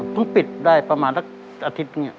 เพิ่งปิดได้ประมาณอาทิตย์เนี่ย